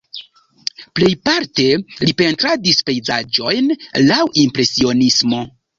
Plejparte li pentradis pejzaĝojn laŭ impresionismo.